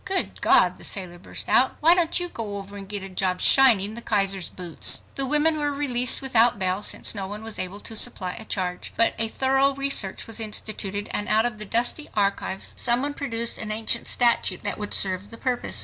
"Good God!" the sailor burst out. "Why don't you go over and get a job shining the Kaiser's boots?" The women were released without bail, since no one was able to supply a charge. But a thorough research was instituted and out of the dusty archives some one produced an ancient statute that would serve the purpose.